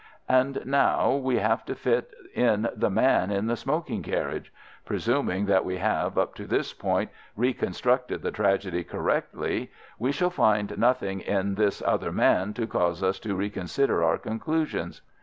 "And now we have to fit in the man in the smoking carriage. Presuming that we have, up to this point, reconstructed the tragedy correctly, we shall find nothing in this other man to cause us to reconsider our conclusions.